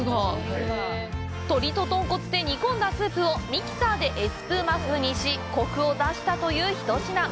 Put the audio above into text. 鶏と豚骨で煮込んだスープをミキサーでエスプーマ風にしコクを出したという一品。